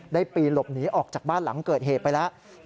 ปีหลบหนีออกจากบ้านหลังเกิดเหตุไปแล้ว